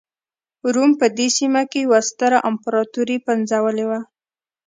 روم په دې سیمه کې یوه ستره امپراتوري پنځولې وه.